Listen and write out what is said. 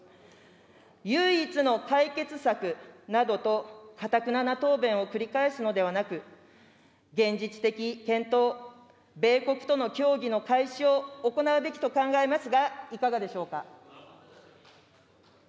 唯一の解決策などとかたくなな答弁を繰り返すのではなく、現実的検討、米国との協議の開始を行うべきと考えますが、いかがでしょうか。